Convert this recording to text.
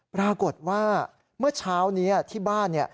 ปรากฏว่าเมื่อเช้านี้ที่บ้าน